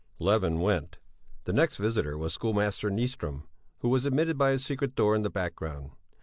Levin went. The next visitor was schoolmaster Nyström, who was admitted by a secret door in the background.